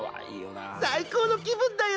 最高の気分だよ！